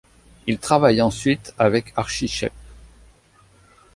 Il travaille ensuite avec Archie Shepp.